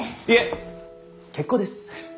いえ結構です。